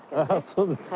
そうですか。